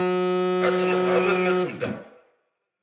Ad tenheṛ arma d Makuda.